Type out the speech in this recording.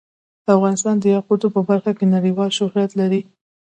افغانستان د یاقوت په برخه کې نړیوال شهرت لري.